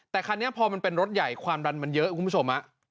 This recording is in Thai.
แต่คันนี้พอมันเป็นรถใหญ่ความดันมันเยอะคุณผู้ชม